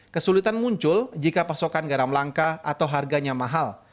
kesulitan muncul jika pasokan garam langka atau harganya mahal